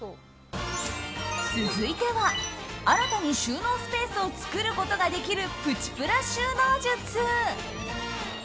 続いては、新たに収納スペースを作ることができるプチプラ収納術。